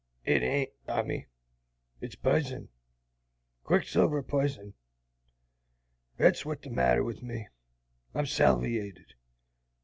It ain't, Tommy. It's pizen, quicksilver pizen. That's what's the matter with me. I'm salviated!